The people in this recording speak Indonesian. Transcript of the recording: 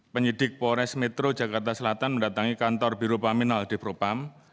penyidik polres metro jakarta selatan mendatangi kantor biro paminal di propam